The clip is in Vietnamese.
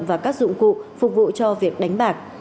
và các dụng cụ phục vụ cho việc đánh bạc